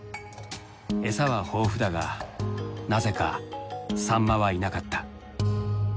えさは豊富だがなぜかサンマはいなかった。